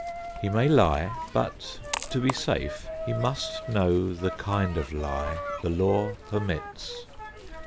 He may lie, but to be safe he must know the kind of lie the law permits.